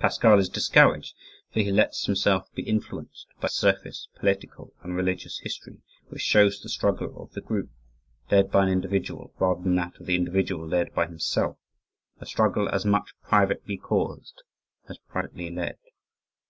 Pascal is discouraged, for he lets himself be influenced by surface political and religious history which shows the struggle of the group, led by an individual, rather than that of the individual led by himself a struggle as much privately caused as privately led.